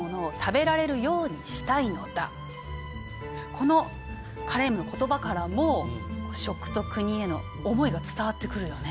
このカレームの言葉からも食と国への思いが伝わってくるよね。